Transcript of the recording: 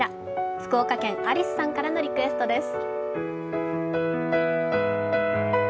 福岡県、アリスさんからのリクエストです。